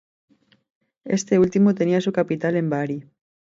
Este último tenía su capital en Bari.